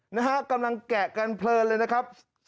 นะฮะกำลังแกะกันเพลินเลยนะครับ